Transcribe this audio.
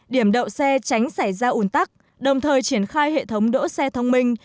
điểm đậu xe tránh xảy ra ủn tắc đồng thời triển khai hệ thống đỗ xe thông minh